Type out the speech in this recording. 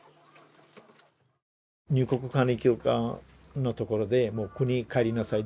入国管理局のところで「もう国に帰りなさい」。